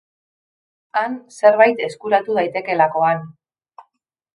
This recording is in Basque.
Han zerbait eskuratu daitekeelakoan.